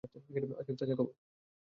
আজকের তাজা খবর।